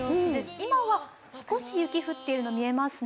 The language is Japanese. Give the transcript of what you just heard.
今は少し雪が降っているのが見えますね。